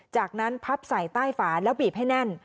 จากนั้นพับใส่ใต้ฝาแล้วบีบให้แน่น